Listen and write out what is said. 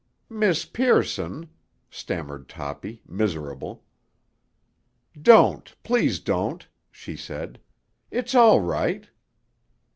"Miss Pearson!" stammered Toppy, miserable. "Don't, please don't," she said. "It's all right."